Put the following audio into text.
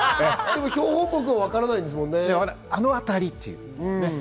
標本木はわからないんですもんね。